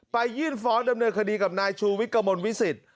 ไปยื่นฟ้องดำเนินสถานการณ์คดีกับนายชูวิทร์กมวิสิต